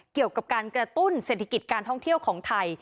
เกี่ยวกับการกระตุ้นเศรษฐกิจการท่องเที่ยวของไทย